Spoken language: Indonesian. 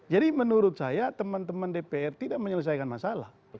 jadi menurut saya teman teman dpr tidak menyelesaikan masalah